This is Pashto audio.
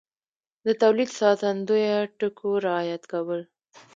د تولید ساتندویه ټکو رعایت کول